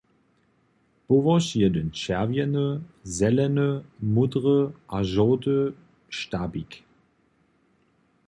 Połož jedyn čerwjeny, zeleny, módry a žołty štabik!